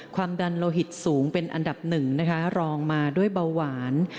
ความดันโลหิตสูงเป็นอันดับหนึ่งนะคะรองมาด้วยเบาหวาน